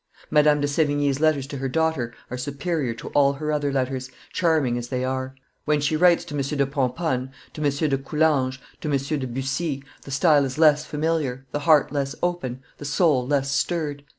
Madame de Sevigne's letters to her daughter are superior to all her other letters, charming as they are. When she writes to M. de Pomponne, to M. de Coulanges, to M. de Bussy, the style is less familiar, the heart less open, the soul less stirred.